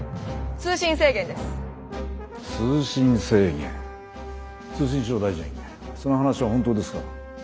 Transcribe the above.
通信制限通信省大臣その話は本当ですか？